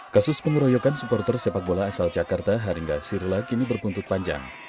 kasus pengeroyokan supporter sepak bola asal jakarta haringga sirla kini berbuntut panjang